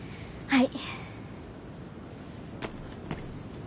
はい。